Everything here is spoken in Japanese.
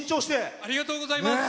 ありがとうございます。